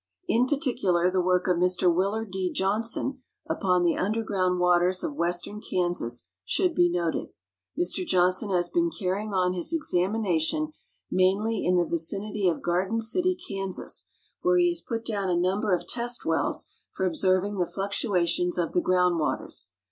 In particular, the work of Mr Willard D. Johnson upon the underground waters of western Kansas should be noted. Mr Johnson has been carrying on his examination mainly in the vicinity of Garden City, Kansas, where he has put down a number of test wells for observing the fluctuations of the ground waters.